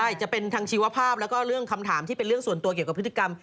ใช่จะเป็นทางชีวภาพแล้วก็เรื่องคำถามที่เป็นเรื่องส่วนตัวเกี่ยวกับพฤติกรรม